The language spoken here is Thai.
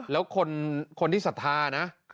แล้วคนที่สถานะ